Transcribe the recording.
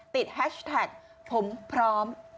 แฮชแท็กผมพร้อม